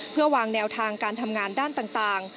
เพื่อวางแนวทางการทำงานด้านต่าง